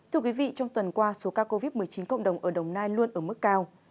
thưa quý vị trong tuần qua số ca covid một mươi chín cộng đồng ở đồng nai luôn ở mức cao